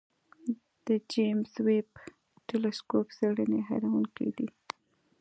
د جیمز ویب ټېلسکوپ څېړنې حیرانوونکې دي.